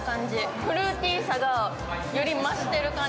フルーティーさがより増してる感じ。